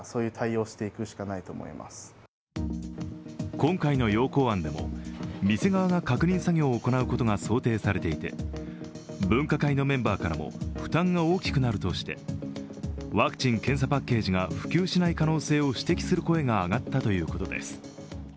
今回の要綱案でも店側が確認作業を行うことが想定されていて分科会のメンバーからも負担が大きくなるとしてワクチン・検査パッケージが普及しない可能性を指摘する声が上がったということです。